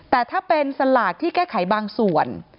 แต่ถ้าเป็นสลากที่แก้ไขบางส่วน